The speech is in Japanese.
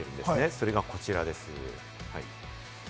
それがこちらです。